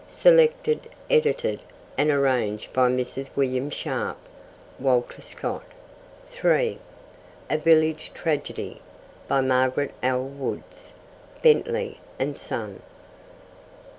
Selected, edited, and arranged by Mrs. William Sharp. (Walter Scott.) (3) A Village Tragedy. By Margaret L. Woods. (Bentley and Son.)